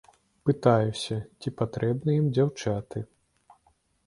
Пытаюся, ці патрэбны ім дзяўчаты.